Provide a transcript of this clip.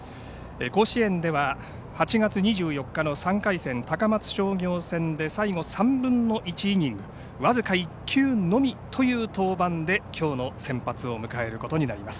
甲子園では８月２４日の３回戦の高松商業戦で最後、３分の１イニング僅か１球のみという登板できょうの先発を迎えることになります。